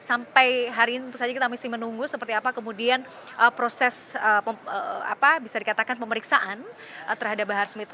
sampai hari ini tentu saja kita masih menunggu seperti apa kemudian proses bisa dikatakan pemeriksaan terhadap bahar smith